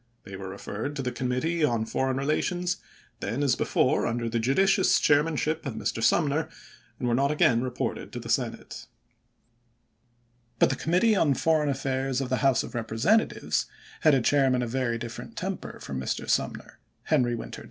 They were referred to the Committee on Foreign Eelations, then, as be fore, under the judicious chairmanship of Mr. Sumner, and were not again reported to the Senate. But the Committee on Foreign Affairs of the House of Representatives had a chairman of very different temper from Mr. Sumner, Henry Winter 408 ABRAHAM LINCOLN chap.